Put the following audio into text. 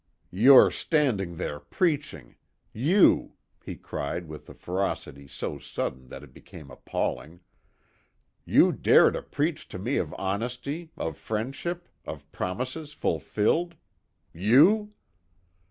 "You stand there preaching! You!" he cried with a ferocity so sudden that it became appalling. "You dare to preach to me of honesty, of friendship, of promises fulfilled? You?